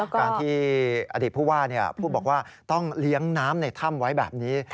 การที่อดีตผู้ว่าบอกว่าต้องเลี้ยงน้ำในถ้ำไว้แบบนี้